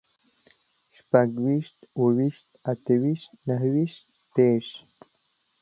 شپږويشت، اووه ويشت، اته ويشت، نهه ويشت، دېرش